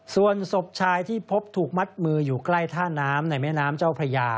ส่วนศพชายที่พบถูกมัดมืออยู่ใกล้ท่าน้ำในแม่น้ำเจ้าพระยา